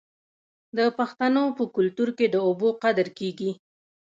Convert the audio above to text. د پښتنو په کلتور کې د اوبو قدر کیږي.